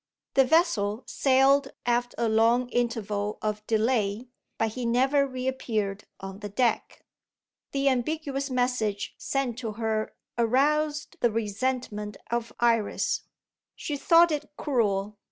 The vessel sailed after a long interval of delay, but he never reappeared on the deck. The ambiguous message sent to her aroused the resentment of Iris; she thought it cruel.